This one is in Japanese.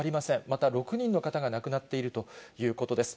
また６人の方が亡くなっているということです。